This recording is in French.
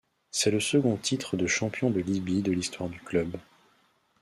C'est le second titre de champion de Libye de l'histoire du club.